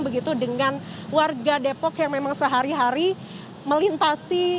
begitu dengan warga depok yang memang sehari hari melintasi